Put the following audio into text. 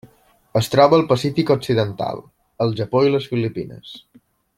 Es troba al Pacífic occidental: el Japó i les Filipines.